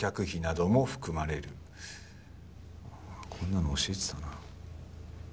こんなの教えてたな。